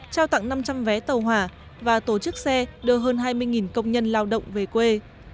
trao tặng năm trăm linh vé tàu hỏa và tổ chức xe đưa hơn hai mươi công nhân lao động về quê